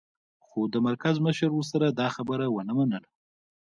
خو د مرکز مشر ورسره دا خبره و نه منله